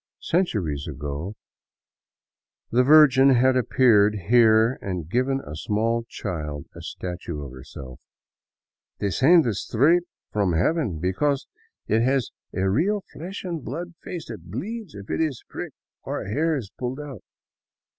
Centuries ago the Virgin had appeared here and given a small child a statue of herself —" descended straight from heaven, because it has a real flesh and blood face that bleeds if it is 'pricked, or if hair is pulled out."